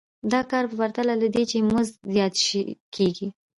دا کار پرته له دې چې مزد زیات شي کېږي